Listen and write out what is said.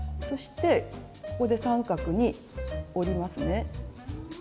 そしてここで三角に折りますね。